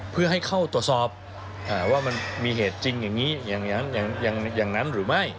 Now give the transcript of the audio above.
เพื่อให้เข้าตรวจสอบว่ามันมีเหตุจริงอย่างนี้อย่างนั้นอย่างนั้นหรือไม่